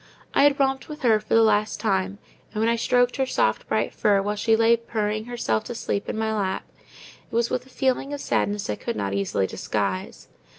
I had romped with her for the last time; and when I stroked her soft bright fur, while she lay purring herself to sleep in my lap, it was with a feeling of sadness I could not easily disguise.